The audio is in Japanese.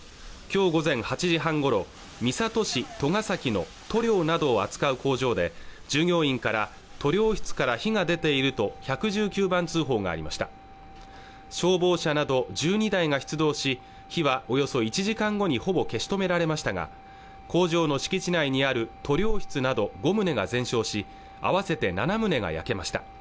今日午前８時半ごろ三郷市戸ケ崎の塗料などを扱う工場で従業員から塗料室から火が出ていると１１９番通報がありました消防車など１２台が出動し火はおよそ１時間後にほぼ消し止められましたが工場の敷地内にある塗料室など五棟が全焼し合わせて七棟が焼けました